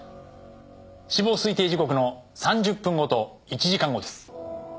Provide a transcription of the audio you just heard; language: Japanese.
死亡推定時刻の３０分後と１時間後です。